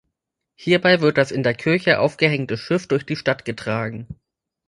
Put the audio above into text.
Hierbei wird das in der Kirche aufgehängte Schiff durch die Stadt getragen.